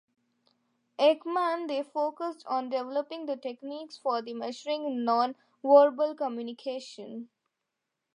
Ekman then focused on developing techniques for measuring nonverbal communication.